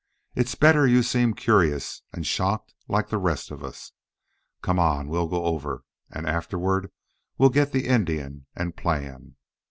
It's better you seem curious and shocked like the rest of us. Come on. We'll go over. And afterward we'll get the Indian, and plan."